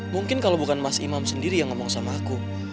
mungkin kalau bukan mas imam sendiri yang ngomong sama aku